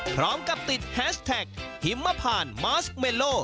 พร้อมกับติดแฮชแท็กหิมพานมาสเมโล